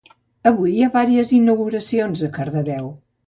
Avui hi ha vàries inauguracions a Cardedeu